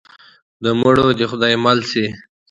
د مړو دې خدای مل شي.